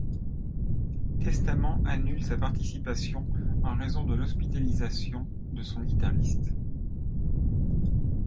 Testament annule sa participation en raison de l'hospitalisation de son guitariste.